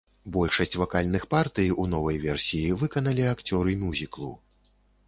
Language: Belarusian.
Большасць вакальных партый у новай версіі выканалі акцёры мюзіклу.